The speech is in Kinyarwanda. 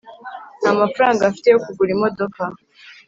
nta mafaranga mfite yo kugura imodoka